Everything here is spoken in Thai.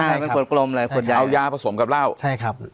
ใช่เป็นคนกลมเลยขวดยาวเอายาผสมกับเหล้าใช่ครับ